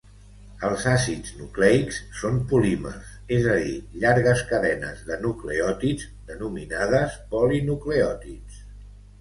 Els àcids nucleics són polímers, és a dir, llargues cadenes de nucleòtids denominades polinucleòtids.